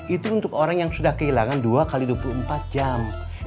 itu untuk orang yang sudah kehilangan dua x dua puluh empat jam